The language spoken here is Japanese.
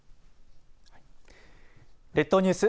列島ニュース